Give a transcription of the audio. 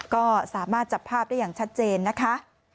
ก็สามารถจับภาพได้อย่างชัดเจนนะคะ